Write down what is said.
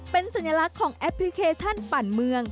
เป็นสัญลักษณ์ของแอปพลิเคชันปั่นเมือง